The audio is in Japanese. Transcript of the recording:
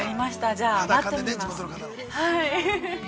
じゃあ、待ってみます。